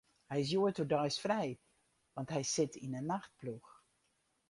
Hy is hjoed oerdeis frij, want hy sit yn 'e nachtploech.